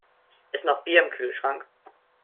Ist noch Bier im Kühlschrank?